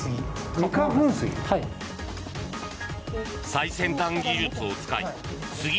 最先端技術を使いスギ